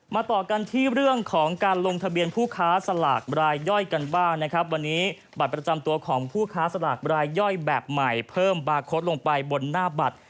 ต่อกันที่เรื่องของการลงทะเบียนผู้ค้าสลากรายย่อยกันบ้างนะครับวันนี้บัตรประจำตัวของผู้ค้าสลากรายย่อยแบบใหม่เพิ่มบาร์โค้ดลงไปบนหน้าบัตร